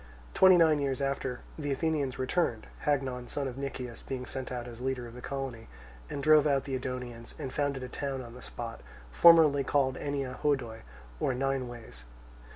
Twenty nine years after, the Athenians returned (Hagnon, son of Nicias, being sent out as leader of the colony) and drove out the Edonians, and founded a town on the spot, formerly called Ennea Hodoi or Nine Ways.